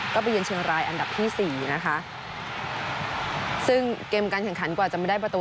ก็ไปเยือนเชียงรายอันดับที่สี่นะคะซึ่งเกมการแข่งขันกว่าจะไม่ได้ประตู